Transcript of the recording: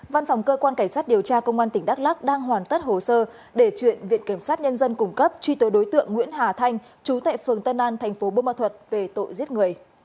văn phòng cơ quan cảnh sát điều tra công an tỉnh đắk lắc đang hoàn tất hồ sơ để chuyện viện kiểm sát nhân dân cung cấp truy tố đối tượng nguyễn hà thanh chú tệ phường tân an thành phố bô ma thuật về tội giết người